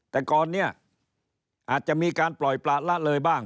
แต่ก่อนเนี่ยอาจจะมีการปล่อยประละเลยบ้าง